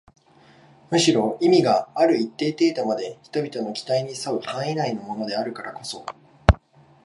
むしろ意味がある一定程度まで人々の期待に添う範囲内のものであるからこそ